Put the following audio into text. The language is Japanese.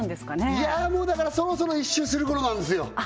いやあもうだからそろそろ１周するころなんですよ